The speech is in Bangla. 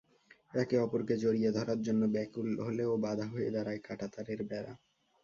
একে অপরকে জড়িয়ে ধরার জন্য ব্যাকুল হলেও বাধা হয়ে দাঁড়ায় কাঁটাতারের বেড়া।